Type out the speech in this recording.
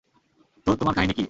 তো, তোমার কাহিনী কী?